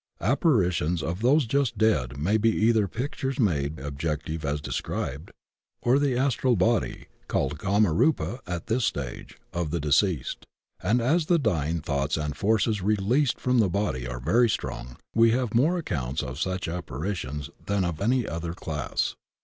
Apparitions of those just dead may be either pictures made objective as described, or the Astral Body — called Kama Rupa at this stage — of the deceased. And as the dying thoughts and forces re leased from the body are very strong, we have more accounts of such apparitions than of any other class.